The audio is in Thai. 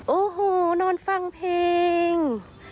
โอ้โหนอนฟังเพลง